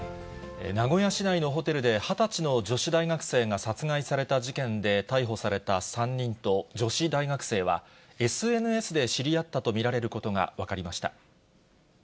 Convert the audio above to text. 名古屋市内のホテルで２０歳の女子大学生が殺害された事件で逮捕された３人と女子大学生は、ＳＮＳで知り合ったと見られることが分かりました。